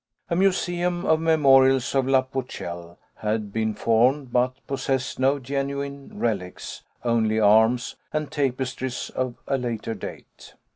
A museum of memorials of la Pucelle had been formed, but possessed no genuine relics, only arms and tapestries of a later date.